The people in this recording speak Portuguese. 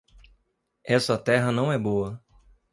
Essa terra não é boa.